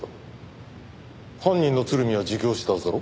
犯人の鶴見は自供したはずだろ？